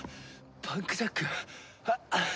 パンクジャック！？